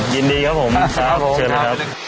ยินดีครับผมขอโทษรีบไปครับ